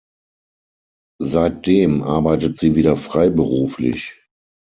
Seitdem arbeitet sie wieder freiberuflich.